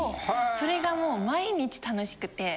それがもう毎日楽しくて。